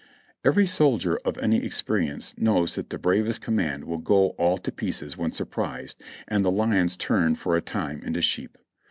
Every soldier of any experience knows that the bravest com mand will go all to pieces when surprised, and the lions turn for a time into sheep.